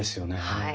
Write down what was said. はい。